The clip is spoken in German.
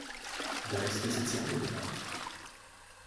Da ist der soziale Bereich.